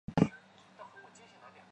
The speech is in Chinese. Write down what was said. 详情可参看香港节日与公众假期。